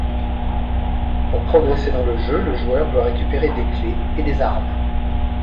Pour progresser dans le jeu, le joueur doit récupérer des clés et des armes.